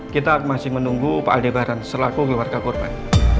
kita masih menunggu pak aldebaran selaku keluarga korban